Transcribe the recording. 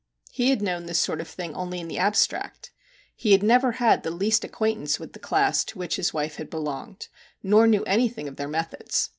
He had known this sort of thing only in the abstract. He had never had the least acquaintance with the class to which his wife had belonged, nor knew anything of their methods.